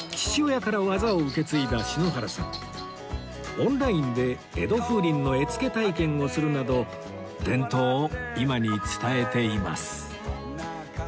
オンラインで江戸風鈴の絵付け体験をするなど伝統を今に伝えています